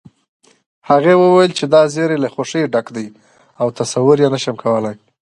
هغې وويل چې دا زيری له خوښيو ډک دی او تصور يې نشې کولی